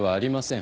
ん？